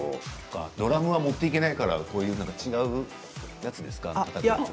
ドラムを持っていけないから違うやつですか。